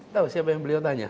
tahu siapa yang beliau tanya